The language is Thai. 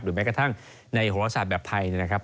หรือแม้กระทั่งในโหระสัตว์แบบไทยนะครับ